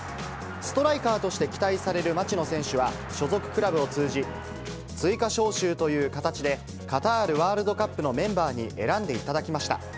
ストライカーとして期待される町野選手は所属クラブを通じ、追加招集という形でカタールワールドカップのメンバーに選んでいただきました。